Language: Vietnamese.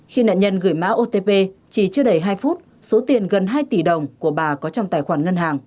khi nạn nhân gửi mã otp chỉ chưa đầy hai phút số tiền gần hai tỷ đồng của bà có trong tài khoản ngân hàng